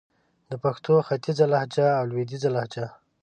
د پښتو ختیځه لهجه او لويديځه لهجه